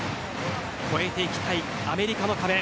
越えていきたいアメリカの壁。